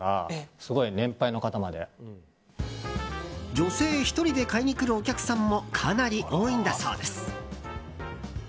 女性１人で買いにくるお客さんもかなり多いんだそうです。